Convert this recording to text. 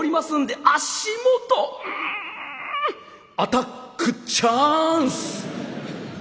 うんアタックチャンス！」。